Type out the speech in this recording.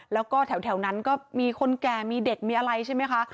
แล้วก็แถวนั้นก็มีคนแก่มีเด็กมีอะไรใช่ไหมคะ